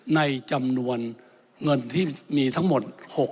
ในจำนวนเงินที่มีทั้งหมด